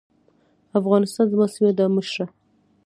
افغانستان زما سيمه ده مشره.